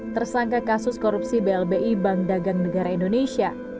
tersangka kasus korupsi blbi bank dagang negara indonesia